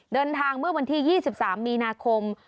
เดินทางเมื่อวันที่๒๓มีนาคม